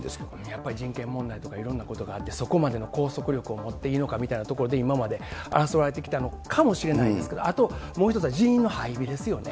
やっぱり人権問題とかいろんなことがあって、そこまでは拘束力を持っていいのかみたいなところで、今まで争われてきたのかもしれないですけど、あともう一つは人員の配備ですよね。